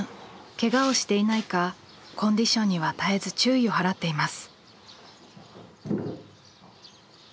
ケガをしていないかコンディションには絶えず注意を払っています。